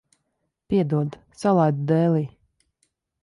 Piedod, salaidu dēlī.